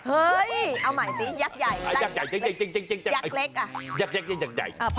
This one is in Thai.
เฮ้ยเอาใหม่สิยักษ์ใหญ่ยักษ์เล็ก